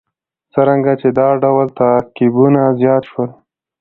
څرنګه چې دا ډول تعقیبونه زیات شول.